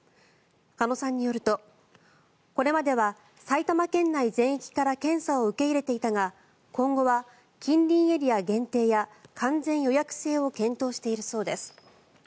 鹿野さんによるとこれまでは埼玉県内全域から検査を受け入れていたが今後は近隣エリア限定や完全予約制を検討しているそうです。